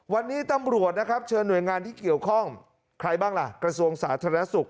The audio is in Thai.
วันนี้ตำรวจนะครับเชิญหน่วยงานที่เกี่ยวข้องใครบ้างล่ะกระทรวงสาธารณสุข